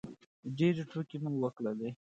ډېرې ټوکې مو وکړلې